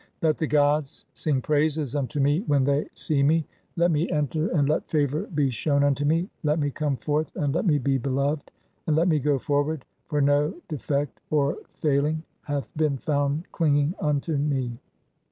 Let [the gods] "sing praises unto me [when] they see (16) me ; let me enter "and let favour be shewn unto me ; let me come forth and let "me be beloved ; and let me go forward, for no defect or fail ing hath been found clinging unto me.'"